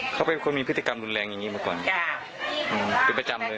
เขาเป็นคนมีพฤติกรรมรุนแรงอย่างนี้มาก่อนเป็นประจำเลย